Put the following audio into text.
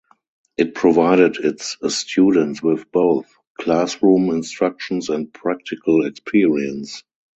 It provided its students with both classroom instructions and practical experience.